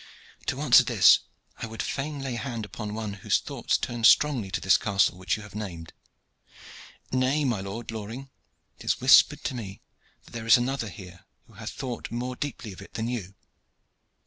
"To answer this I would fain lay hand upon one whose thoughts turn strongly to this castle which you have named. Nay, my Lord Loring, it is whispered to me that there is another here who hath thought more deeply of it than you."